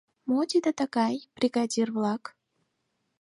— Мо тиде тыгай, бригадир-влак?